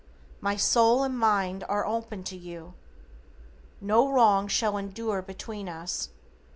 My soul and mind are open to you. No wrong shall endure between us.